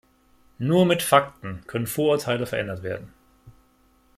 Nur mit Fakten können Vorurteile verändert werden.